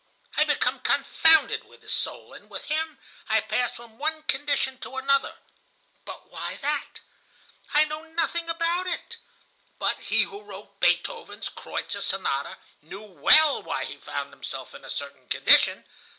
I become confounded with his soul, and with him I pass from one condition to another. But why that? I know nothing about it? But he who wrote Beethoven's 'Kreutzer Sonata' knew well why he found himself in a certain condition.